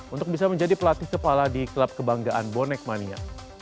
untuk bisa menjadi pelatih kepala di klub kebanggaan bonek mania